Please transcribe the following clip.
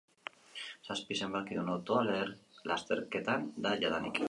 Zazpi zenbakidun autoa lasterketan da jadanik.